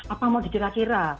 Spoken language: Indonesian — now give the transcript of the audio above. apa mau dikira kira